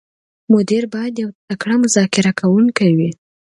مدیر باید یو تکړه مذاکره کوونکی وي.